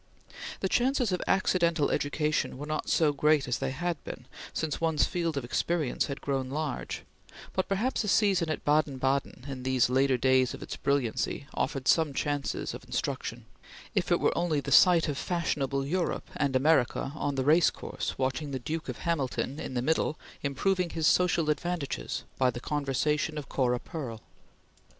The chances of accidental education were not so great as they had been, since one's field of experience had grown large; but perhaps a season at Baden Baden in these later days of its brilliancy offered some chances of instruction, if it were only the sight of fashionable Europe and America on the race course watching the Duke of Hamilton, in the middle, improving his social advantages by the conversation of Cora Pearl.